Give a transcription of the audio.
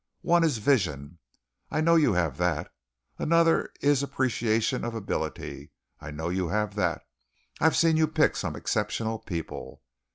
One is vision. I know you have that. Another is appreciation of ability. I know you have that. I have seen you pick some exceptional people.